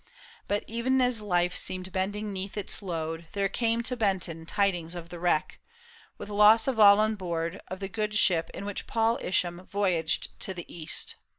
But ev'n as life seemed bending 'neath its load, There came to Benton tidings of the wreck. With loss of all on board, of the good ship In which Paul Isham voyaged to the East.